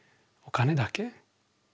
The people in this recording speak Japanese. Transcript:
お金だけ？